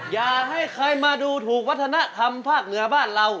อย่าให้ใครมาดูถูกวัฒนธรรมภาคเหนือบ้านเรา